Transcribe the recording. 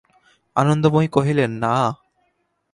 আনন্দময়ী কহিলেন, না।